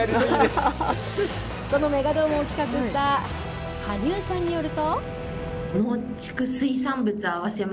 このメガドンを企画した羽生さんによると。